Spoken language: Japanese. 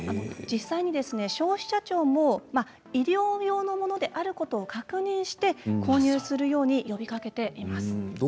消費者庁も医療用のものであることを確認して購入するように促しています。